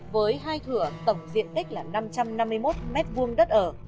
với hai thửa tổng diện tích là năm trăm năm mươi một m hai đất ở